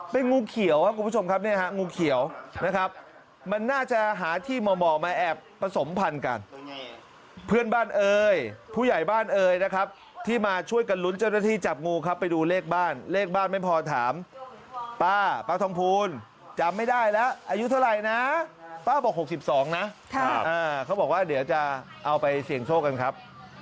เป็นงูเขียวครับคุณผู้ชมครับนี่ฮะงูเขียวนะครับ